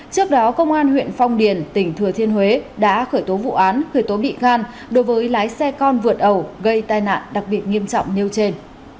trước đó công an huyện phong điền tỉnh thừa thiên huế đã khởi tố vụ án khởi tố bị can đối với lái xe con vượt ẩu gây tai nạn đặc biệt nghiêm trọng nêu trên